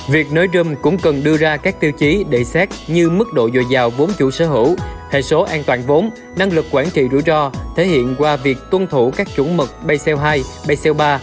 việc nới rơm cũng cần đưa ra các tiêu chí để xét như mức độ dồi dào vốn chủ sở hữu hệ số an toàn vốn năng lực quản trị rủi ro thể hiện qua việc tuân thủ các chủ mật bseo hai bseo ba